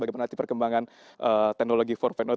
bagaimana perkembangan teknologi for fanart